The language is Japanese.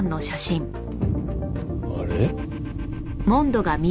あれ？